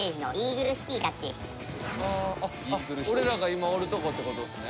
俺らが今おる所ってことですね。